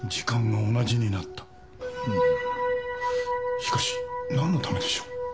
しかしなんのためでしょう？